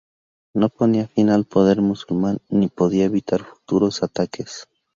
No ponía fin al poder musulmán, ni podía evitar futuros ataques.